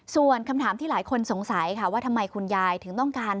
ส่วนคำถามที่หลายคนสงสัยค่ะว่าทำไมคุณยายถึงต้องการ